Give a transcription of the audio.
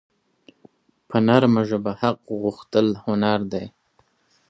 په نرمه ژبه حق غوښتل هنر دی.